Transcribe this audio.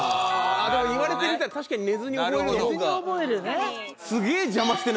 でも言われてみたら確かに「寝ずに覚える」の方が。